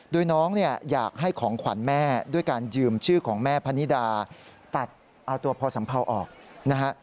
โดยน้องเนี่ยอยากให้ของขวัญแม่ด้วยการยืมชื่อของแม่พนิดาตัดเอาตัวพอสัมเภาออกนะฮะ